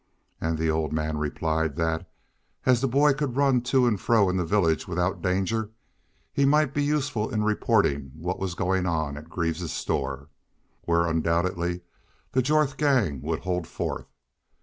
And the old man replied that, as the boy could run to and fro in the village without danger, he might be useful in reporting what was going on at Greaves's store, where undoubtedly the Jorth gang would hold forth.